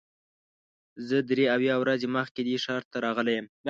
زه درې اویا ورځې مخکې دې ښار ته راغلی یم.